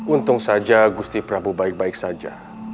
untung saja gusti prabowo baik baik saja